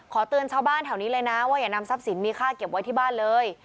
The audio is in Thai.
เตือนชาวบ้านแถวนี้เลยนะว่าอย่านำทรัพย์สินมีค่าเก็บไว้ที่บ้านเลย